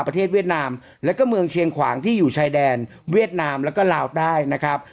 เวียดนามแล้วก็เมืองเชียงขวางที่อยู่ชายแดนเวียดนามแล้วก็ลาวใต้นะครับ